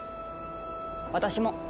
私も。